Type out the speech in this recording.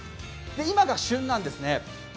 今が旬なんですね。